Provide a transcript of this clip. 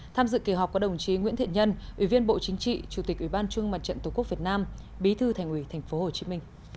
tham dự kỳ họp có đồng chí nguyễn thiện nhân ủy viên bộ chính trị chủ tịch ủy ban trung mặt trận tổ quốc việt nam bí thư thành ủy tp hcm